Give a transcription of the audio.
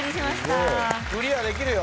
クリアできるよ。